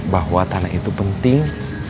bahwa tanah itu penting